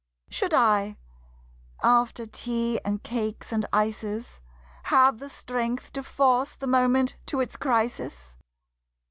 Should I, after tea and cakes and ices, Have the strength to force the moment to its crisis?